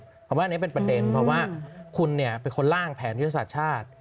ผมว่าอันนี้เป็นประเด็นเพราะว่าคุณเป็นคนล่างแผนยุทธศาสตร์ชาติ